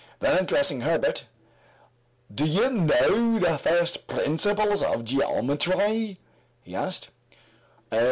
Then addressing Herbert "Do you know the first principles of geometry?" he asked.